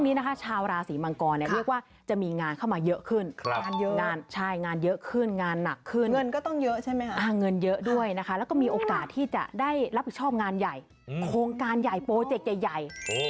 ไม่ใช่ทำงานแบบลวกสองทีเสร็จอะไรอย่างนี้